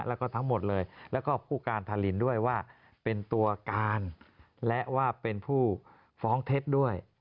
แล้วก็ทั้งหมดเลยแล้วก็ผู้การทารินด้วยว่าเป็นตัวการและว่าเป็นผู้ฟ้องเท็จด้วย